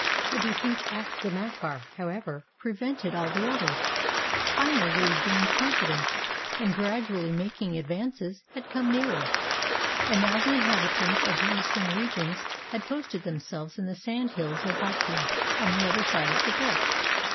The defeat at the Macar, however, prevented all the others. Finally they regained confi dence, and gradually making advances, had come nearer; and now the inhabitants of the eastern regions had posted themselves in the sand hills of Clypea, on the other side of the gulf.